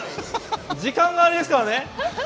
時間があれですからね。